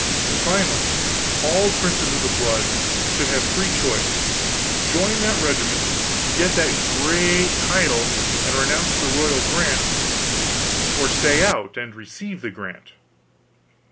Finally, all princes of the blood should have free choice; join that regiment, get that great title, and renounce the royal grant, or stay out and receive a grant.